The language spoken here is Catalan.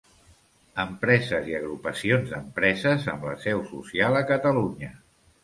Empreses i agrupacions d'empreses amb la seu social a Catalunya.